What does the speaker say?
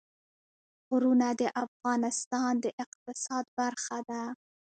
غرونه د افغانستان د اقتصاد برخه ده.